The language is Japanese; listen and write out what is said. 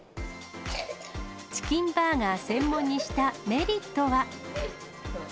チキンバーガー専門にしたメリットは。